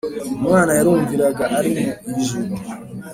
Umwana yarumviraga ari mu ijuru